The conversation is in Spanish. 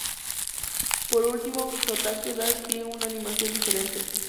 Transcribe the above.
Por último, su ataque dash tiene una animación diferente.